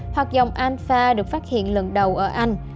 hoặc dòng alfa được phát hiện lần đầu ở anh